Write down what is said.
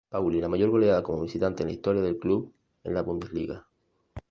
Pauli, la mayor goleada como visitante en la historia del club en la Bundesliga.